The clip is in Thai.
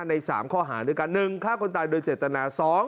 ใน๓ข้อหาด้วยกัน๑ฆ่าคนตายโดยเจตนา๒